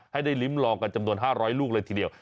ให้ได้ลิ้มลองกันจำนวน๕๐๐ลูกเลยทีเดียว